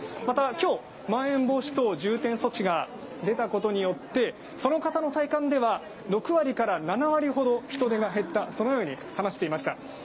また、きょう、まん延防止等重点措置が出たことによってその方の体感では、６割から７割ほど人手が減った、そのように話していました。